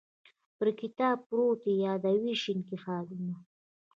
پر کتاب پروت یې یادوې شینکي خالونه